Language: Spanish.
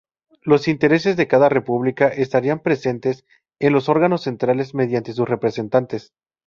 Los intereses de cada república estarían presentes en los órganos centrales mediante sus representantes.